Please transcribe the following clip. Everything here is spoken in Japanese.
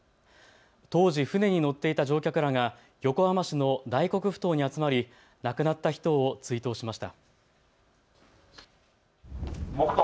当時、船に乗っていた乗客らが横浜市の大黒ふ頭に集まり亡くなった人を追悼しました。